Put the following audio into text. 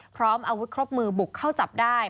พร้อมอาวุธครบมือบุกเข้าจับได้